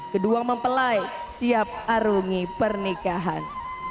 kedua mempelai siap arungi pernikahan